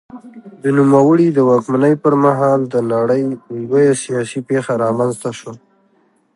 د نوموړي د واکمنۍ پر مهال د نړۍ لویه سیاسي پېښه رامنځته شوه.